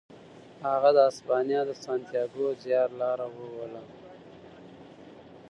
هغه د اسپانیا د سانتیاګو زیارلاره ووهله.